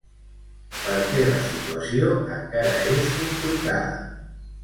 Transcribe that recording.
Per què la situació encara és complicada?